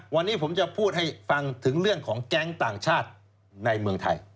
วันนี้ผมจะพูดให้ฟังถึงเรื่องของแก๊งต่างชาติในเมืองไทย